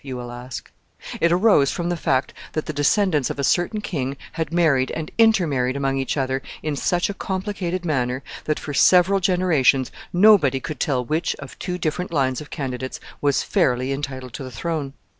you will ask. It arose from the fact that the descendants of a certain king had married and intermarried among each other in such a complicated manner that for several generations nobody could tell which of two different lines of candidates was fairly entitled to the throne.